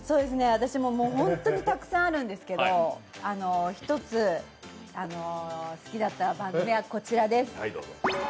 私、本当にたくさんあるんですけど、１つ、好きだった番組はこちらです。